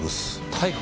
逮捕？